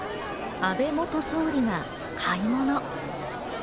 安倍元総理が買い物。